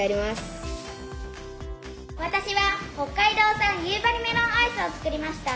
私は北海道産夕張メロンアイスを作りました。